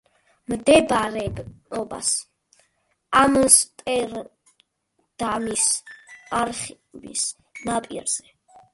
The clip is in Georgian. მდებარეობს ამსტერდამის არხების ნაპირზე.